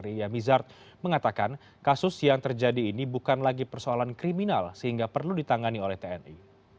ria mizard mengatakan kasus yang terjadi ini bukan lagi persoalan kriminal sehingga perlu ditangani oleh tni